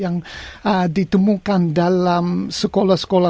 yang ditemukan dalam sekolah sekolah